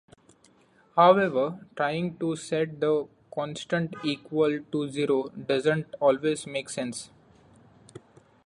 However, trying to set the constant equal to zero doesn't always make sense.